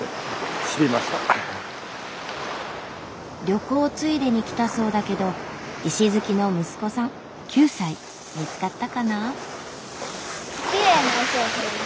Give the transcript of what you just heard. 旅行ついでに来たそうだけど石好きの息子さん見つかったかな？